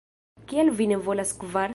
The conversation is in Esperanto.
Kial vi ne volas kvar?"